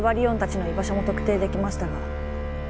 音たちの居場所も特定できましたが。